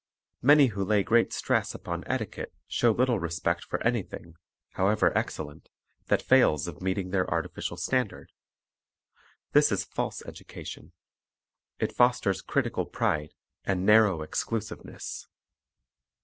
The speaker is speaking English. Many who lay great stress upon etiquette show little respect for anything, however excellent, that fails of meeting their artificial standard. This is false education. It fosters critical pride and narrow exclusiveness.